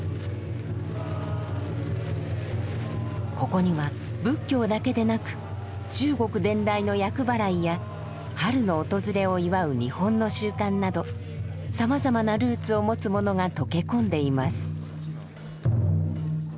ここには仏教だけでなく中国伝来の厄払いや春の訪れを祝う日本の習慣などさまざまなルーツを持つものが溶け込んでいます。